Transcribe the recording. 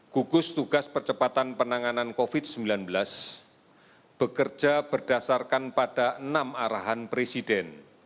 gugus tugas percepatan penanganan covid sembilan belas bekerja berdasarkan pada enam arahan presiden